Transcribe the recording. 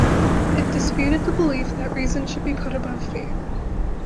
It disputed the belief that reason should be put above faith.